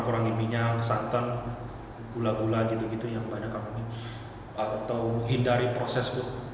growing minyak santan gula gula gitu yang banyak para tahun hindari proses